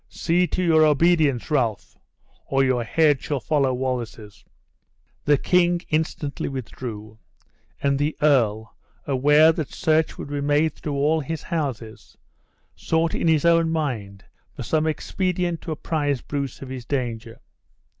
See to your obedience, Ralph, or your head shall follow Wallace's." The king instantly withdrew, and the earl, aware that search would be made through all his houses, sought in his own mind for some expedient to apprise Bruce of his danger.